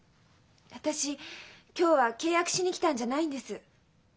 私今日は契約しに来たんじゃないんです。